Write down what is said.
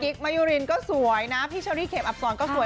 มายุรินก็สวยนะพี่เชอรี่เข็มอับสอนก็สวย